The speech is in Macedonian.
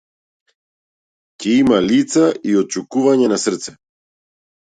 Ќе има лица и отчукувања на срце.